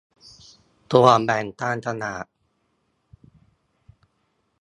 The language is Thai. ส่วนแบ่งการตลาด